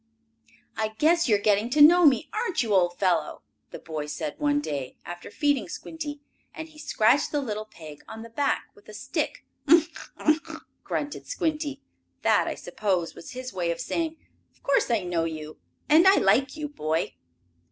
"I guess you are getting to know me, aren't you, old fellow?" the boy said one day, after feeding Squinty, and he scratched the little pig on the back with a stick. "Uff! Uff!" grunted Squinty. That, I suppose, was his way of saying: "Of course I know you, and I like you, boy."